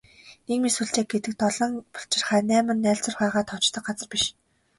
Нийгмийн сүлжээ гэдэг долоон булчирхай, найман найлзуурхайгаа тоочдог газар биш ээ.